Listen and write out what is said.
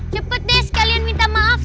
cepet deh sekalian minta maaf